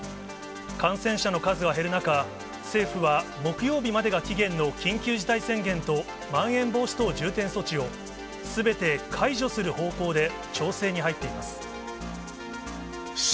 感染者の数は減る中、政府は木曜日までが期限の緊急事態宣言とまん延防止等重点措置を、すべて解除する方向で調整に入っています。